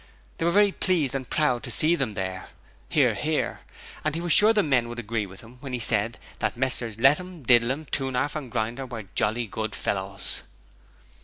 They were very pleased and proud to see them there (Hear, hear), and he was sure the men would agree with him when he said that Messrs Lettum, Didlum, Toonarf and Grinder were jolly good fellows.